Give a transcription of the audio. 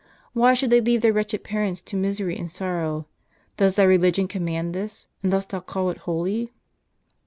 Why should they leave their wretched parents to misery and sorrow? does thy religion command this, and dost thou call it holy